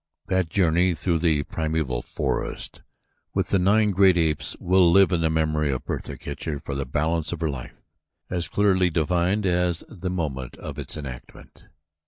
That journey through the primeval forest with the nine great apes will live in the memory of Bertha Kircher for the balance of her life, as clearly delineated as at the moment of its enactment.